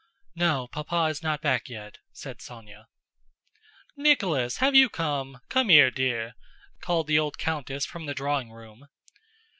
"No, Papa is not back yet," said Sónya. "Nicholas, have you come? Come here, dear!" called the old countess from the drawing room.